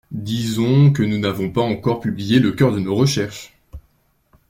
Disons que nous n’avons pas encore publié le cœur de nos recherches